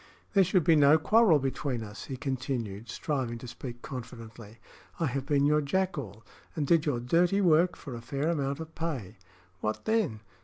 "There should be no quarrel between us," he continued, striving to speak confidently. "I have been your jackal, and did your dirty work for a fair amount of pay. What then?